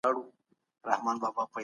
هغوی د خپلو غاښونو په مینځلو بوخت دي.